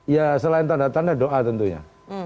ya selain tanda tanda doa tentunya